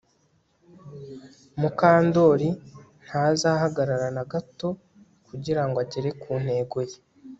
Mukandoli ntazahagarara na gato kugirango agere ku ntego ye